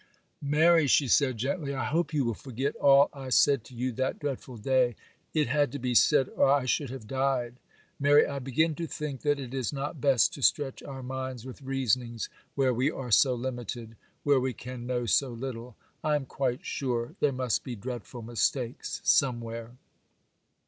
'Mary,' she said, gently, 'I hope you will forget all I said to you that dreadful day. It had to be said, or I should have died. Mary, I begin to think that it is not best to stretch our minds with reasonings where we are so limited, where we can know so little. I am quite sure there must be dreadful mistakes somewhere.